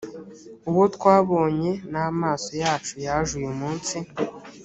uwo twabonye n amaso yacu yaje uyumunsi